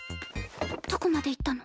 どこまで行ったの？